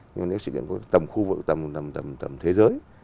nhưng nếu sự kiện tầm khu vực tầm thế giới